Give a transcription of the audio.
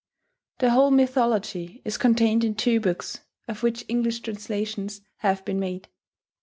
The whole mythology is contained in two books, of which English translations have been made.